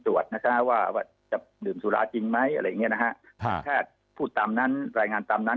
ว่าจะดื่มสุราจริงไหมแพทย์พูดตามนั้นรายงานตามนั้น